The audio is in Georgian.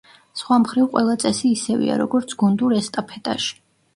სხვა მხრივ ყველა წესი ისევეა როგორც გუნდურ ესტაფეტაში.